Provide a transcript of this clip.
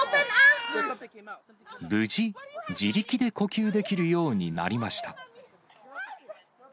無事、自力で呼吸できるようになりました。